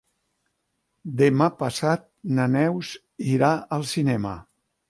Demà passat na Neus irà al cinema.